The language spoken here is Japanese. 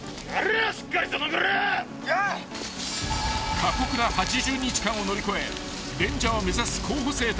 ［過酷な８０日間を乗り越えレンジャーを目指す候補生たち］